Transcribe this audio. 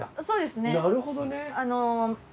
そうですね